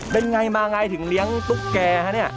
เป็นยังไงมายังไงถึงเลี้ยงตุ๊กแก่ครับเนี่ย